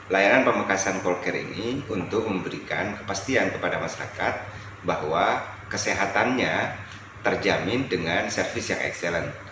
layanan pamekasan call care ini untuk memberikan kepastian kepada masyarakat bahwa kesehatannya terjamin dengan service yang excellent